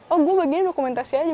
oh gue bagiannya dokumentasi aja